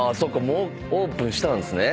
もうオープンしたんすね。